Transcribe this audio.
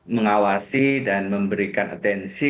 mengawasi dan memberikan atensi